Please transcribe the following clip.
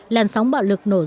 làn sóng bắt đầu bắt đầu bắt đầu